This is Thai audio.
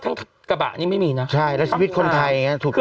ทั้งขาบะนี้ไม่มีน่ะใช่แล้วชีวิตคนไทยเองน่ะถูกต้อง